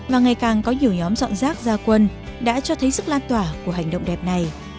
và ngày càng có nhiều nhóm dọn rác ra quân đã cho thấy sức lan tỏa của hành động đẹp này